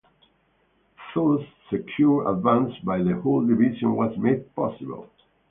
Thus secured, advance by the whole division was made possible.